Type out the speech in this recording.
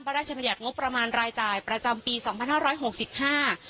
พระราชบัญญัติงบประมาณรายจ่ายประจำปีสองพันห้าร้อยหกสิบห้า